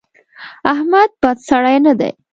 احمد بد سړی نه دی.